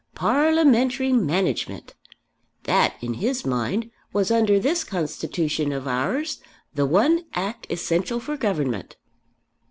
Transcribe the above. Parliamentary management! That, in his mind, was under this Constitution of ours the one act essential for Government.